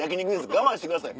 我慢してください